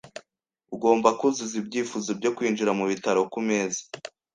Ugomba kuzuza ibyifuzo byo kwinjira mubitaro kumeza.